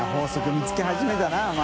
見つけ始めたなお前。